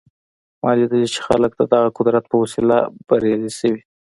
ما لیدلي چې خلک د دغه قدرت په وسیله بریالي شوي